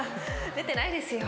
出てないですよ。